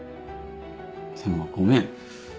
でもごめん。